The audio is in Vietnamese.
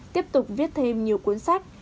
tiếp tục viết thêm nhiều cuốn sách